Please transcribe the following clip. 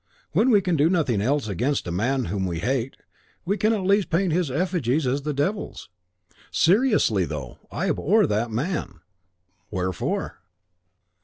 When we can do nothing else against a man whom we hate, we can at least paint his effigies as the Devil's. Seriously, though: I abhor that man." "Wherefore?